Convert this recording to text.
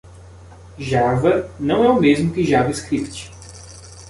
Java não é o mesmo que JavaScript.